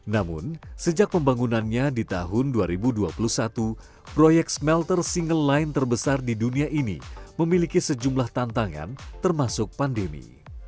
namun sejak pembangunannya di tahun dua ribu dua puluh satu proyek smelter single line terbesar di dunia ini memiliki sejumlah tantangan termasuk pandemi